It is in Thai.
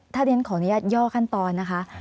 ถ้าเรียนขออนุญาตย่อขั้นตอนนะคะ